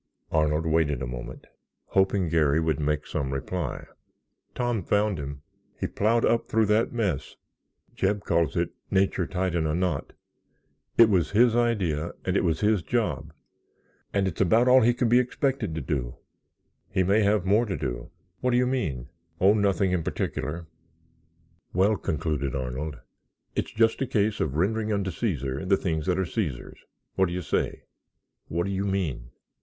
Arnold waited a moment hoping Garry would make some reply. "Tom found him—he plowed up through that mess—Jeb calls it nature tied in a knot—it was his idea and it was his job—and it's about all he could be expected to do." "He may have more to do." "What do you mean?" "Oh, nothing in particular." "Well," concluded Arnold, "it's just a case of rendering unto Caesar the things that are Caesar's. What do you say?" "What do you mean?"